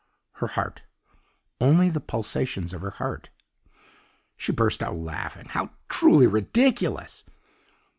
"Her heart only the pulsations of her heart. "She burst out laughing. How truly ridiculous.